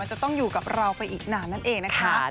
มันจะต้องอยู่กับเราไปอีกหนานั้นเอง